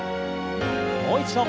もう一度。